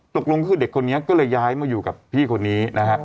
ตกลงคือเด็กคนนี้ก็เลยย้ายมาอยู่กับพี่คนนี้นะฮะ